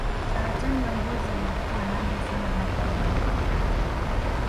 Saratani ya ngozi iliyokuwa nadra sana hapo awali